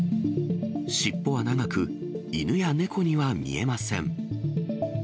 尻尾は長く、犬や猫には見えません。